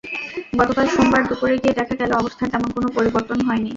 গতকাল সোমবার দুপুরে গিয়ে দেখা গেল, অবস্থার তেমন কোনো পরিবর্তন হয়নি।